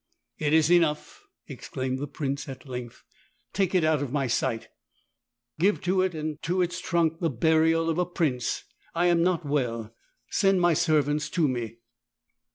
"It is enough!" exclaimed the prince at length. "Take it out of my sight. Give to it and to its trunk the burial of a prince, I am not well, Send my servants to me."